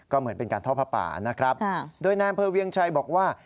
ก็เหมือนเป็นการท่อผ้าป่านะครับโดยนายอำเภอเวียงชัยบอกว่า